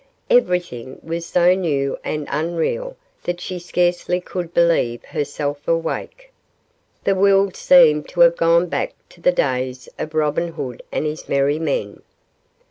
Everything was so new and unreal that she scarcely could believe herself awake. The world seemed to have gone back to the days of Robin Hood and his merry men.